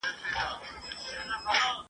وزر مي دی راوړی سوځوې یې او که نه !.